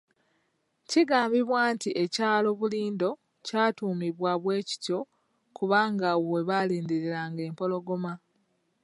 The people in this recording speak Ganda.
Kigambibwa nti ekyalo Bulindo ky'atuumibwa bwe kityo kubanga awo we baalindiranga empologoma.